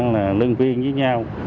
lương viên với nhau